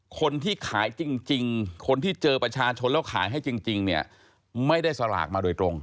คนที่ขายจริงคนที่เจอประชาชนแล้วขายให้จริงเนี่ยไม่ได้สลากมาโดยตรง